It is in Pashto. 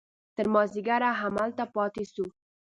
تر مازديګره هملته پاته سو.